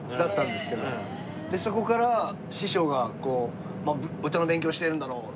そこから師匠が「歌の勉強してるんだろ？」。